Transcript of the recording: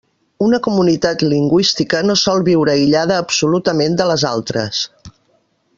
Una comunitat lingüística no sol viure aïllada absolutament de les altres.